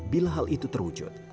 bila hal itu terwujud